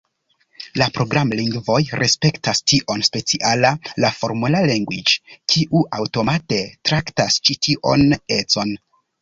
La programlingvoj respektas tion, speciala la "Formula language", kiu aŭtomate traktas ĉi tion econ.